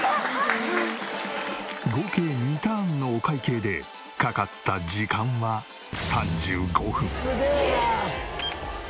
合計２ターンのお会計でかかった時間は３５分。